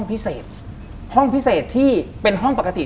คุณลุงกับคุณป้าสองคนนี้เป็นใคร